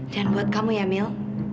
dan buat kamu ya mil